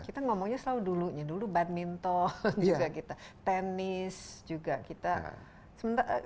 kita ngomongnya selalu dulunya dulu badminton juga kita tenis juga kita sementara